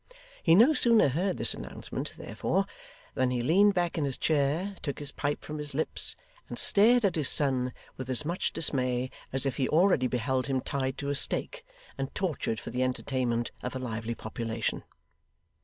He no sooner heard this announcement, therefore, than he leaned back in his chair, took his pipe from his lips, and stared at his son with as much dismay as if he already beheld him tied to a stake, and tortured for the entertainment of a lively population.